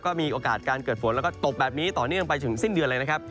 ก็มีโอกาสการเกิดฝนแล้วก็ตกแบบนี้ต่อเนื่องไปถึงสิ้นเดือนเลยนะครับ